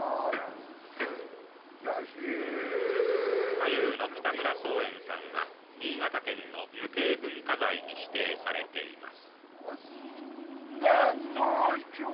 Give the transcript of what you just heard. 太夫の北村宗演さんは新潟県の無形文化財に指定されています。